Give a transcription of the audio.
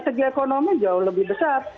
dan segi ekonomi jauh lebih besar